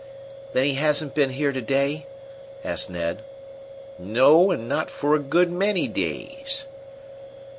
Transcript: "Then he hasn't been here to day?" asked Ned. "No; and not for a good many days."